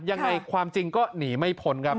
ยังไงความจริงก็หนีไม่พ้นครับ